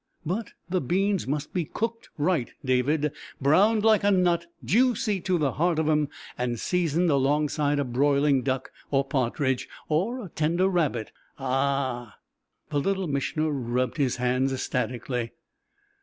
But the beans must be cooked right, David browned like a nut, juicy to the heart of 'em, and seasoned alongside a broiling duck or partridge, or a tender rabbit. Ah!" The Little Missioner rubbed his hands ecstatically.